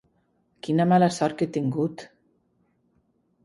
Quina mala sort que he tingut!